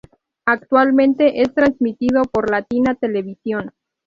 Actualmente es transmitido por Latina Televisión.